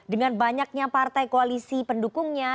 dengan banyaknya partai koalisi pendukungnya